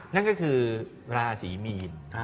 นั่นก็คือราศีมีน